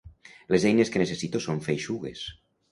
Les eines que necessito són feixugues.